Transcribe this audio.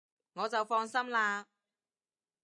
我就放心喇